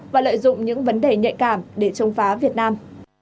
và lợi dụng những vấn đề nhạy cảm để chống phá việt nam